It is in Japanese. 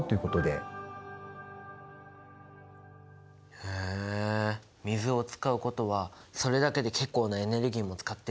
へぇ水を使うことはそれだけで結構なエネルギーも使ってるっていうことなんだね。